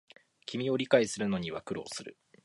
君を理解するのには苦労する